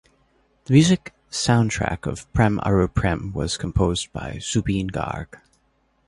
The music soundtrack of "Prem Aru Prem" was composed by Zubeen Garg.